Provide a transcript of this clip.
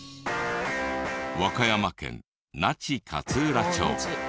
和歌山県那智勝浦町。